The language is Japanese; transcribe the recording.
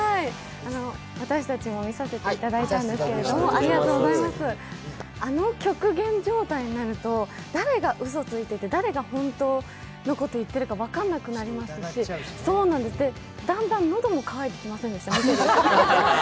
私たちも見させていただいたんですけれどもあの極限状態になると誰がうそをついていて誰が本当のことを言ってるか分かんなくなりますし、だんだんのども渇いてきませんでした？